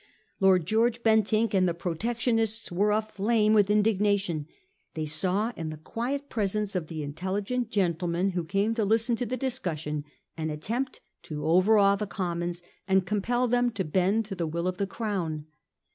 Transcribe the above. Lord George Bentinck and the Protectionists were aflame with indignation. They saw in the quiet presence of the intelligent gentleman who came to. listen to the discussion an attempt to overawe the Commons and compel them to bend to the will of the Crown.